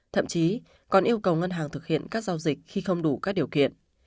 thậm chí còn yêu cầu ngân hàng thực hiện các giao dịch khi không đủ các điều kiện